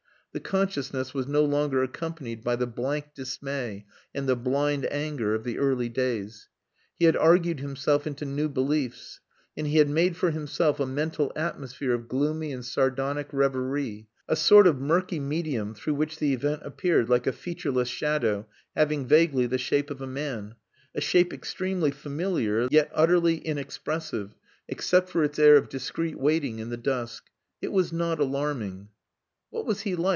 The consciousness was no longer accompanied by the blank dismay and the blind anger of the early days. He had argued himself into new beliefs; and he had made for himself a mental atmosphere of gloomy and sardonic reverie, a sort of murky medium through which the event appeared like a featureless shadow having vaguely the shape of a man; a shape extremely familiar, yet utterly inexpressive, except for its air of discreet waiting in the dusk. It was not alarming. "What was he like?"